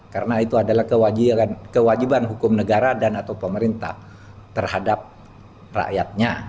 karena itu adalah kewajiban hukum negara dan atau pemerintah terhadap rakyatnya